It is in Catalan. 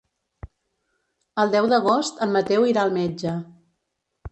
El deu d'agost en Mateu irà al metge.